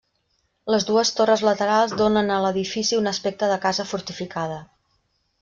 Les dues torres laterals donen a l'edifici un aspecte de casa fortificada.